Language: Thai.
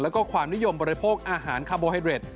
แล้วก็ความนิยมบริโภคอาหารคาโบไฮเรด